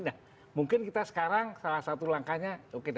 nah mungkin kita sekarang salah satu langkahnya oke